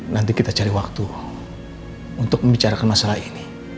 nanti kita cari waktu untuk membicarakan masalah ini